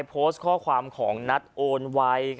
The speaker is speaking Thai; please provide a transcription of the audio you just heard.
โพสต์ข้อความของนัดโอนไว